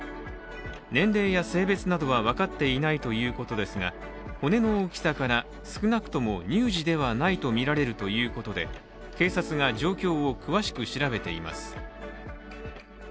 年齢や性別などは分かっていないということですが、骨の大きさから、少なくとも乳児ではないとみられるということで警察が状況を詳しく調べています。